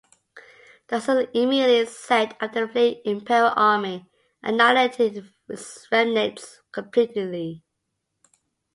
The Hussites immediately set after the fleeing Imperial army and annihilated its remnants completely.